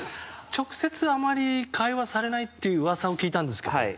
直接あまり会話されないという噂を聞いたんですけど。